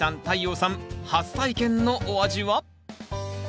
太陽さん初体験のお味は？